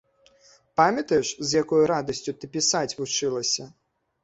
Памятаеш, з якой радасцю ты пісаць вучылася?